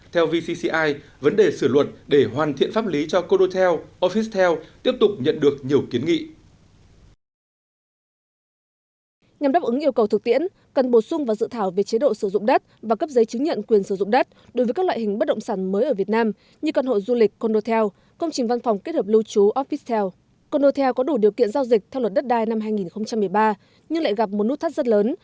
theo vcci vấn đề sử luật để hoàn thiện pháp lý cho codotel officetel tiếp tục nhận được nhiều kiến nghị